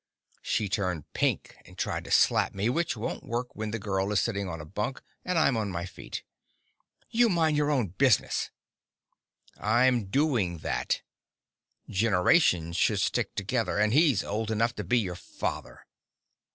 She turned pink and tried to slap me, which won't work when the girl is sitting on a bunk and I'm on my feet. "You mind your own business!" "I'm doing that. Generations should stick together, and he's old enough to be your father!"